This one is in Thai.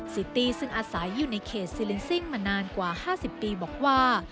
ซิตี้ซึ่งอาศัยอยู่ในเขตซิลินซิ่งมานานกว่า๕๐ปีบอกว่า